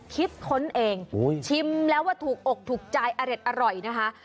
ค้นเองชิมแล้วว่าถูกอกถูกใจอร็ดอร่อยนะคะ